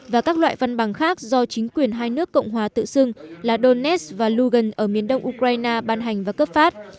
và các loại văn bằng khác do chính quyền hai nước cộng hòa tự xưng là donets và lougan ở miền đông ukraine ban hành và cấp phát